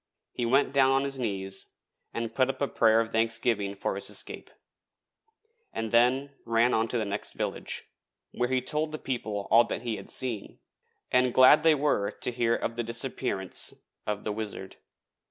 He went down on his knees and put up a prayer of thanksgiving for his escape, and then ran on to the next village, where he told the people all that he had seen, and glad they were to hear of the disappearance of the Wizard.